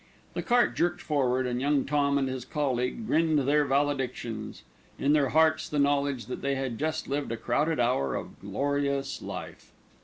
The cart jerked forward, and Young Tom and his colleague grinned their valedictions, in their hearts the knowledge that they had just lived a crowded hour of glorious life.